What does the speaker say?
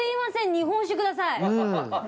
日本酒ください！